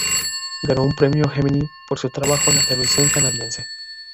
Ganó un premio Gemini por su trabajo en la televisión canadiense.